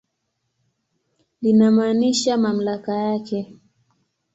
Linamaanisha mamlaka yake.